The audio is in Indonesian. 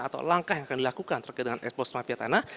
atau langkah yang akan dilakukan terkait dengan eksplos mafia tanah